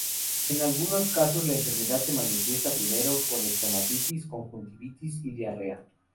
En algunos casos la enfermedad se manifiesta primero con estomatitis, conjuntivitis y diarrea.